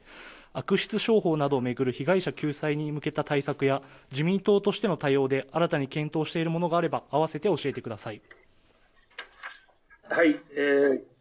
悪質商法などを巡る被害者救済に向けた対策や自民党としての対応で新たに検討しているものがあれば合わせて教えてください。